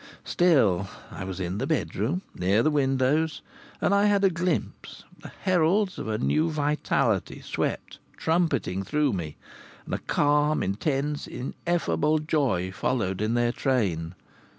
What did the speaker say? Still, I was in the bedroom, near the windows. And I had a glimpse.... The heralds of a new vitality swept trumpeting through me, and a calm, intense, ineffable joy followed in their train.